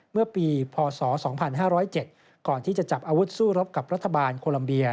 เมื่อปีพศ๒๕๐๗ก่อนที่จะจับอาวุธสู้รบกับรัฐบาลโคลัมเบีย